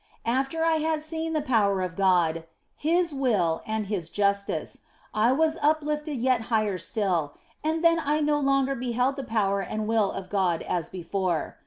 After I had seen the power of God, His will, and His justice, I was uplifted yet higher still, and then I no longer beheld the power and will of God as before.